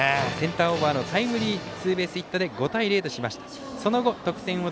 センターオーバーのタイムリーツーベースヒットで５対０としました。